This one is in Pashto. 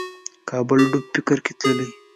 کابل ډوب فکر کې تللی